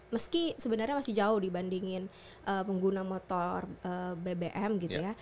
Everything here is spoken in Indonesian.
meski sebenarnya masih jauh dibandingin pengguna motor bbm gitu ya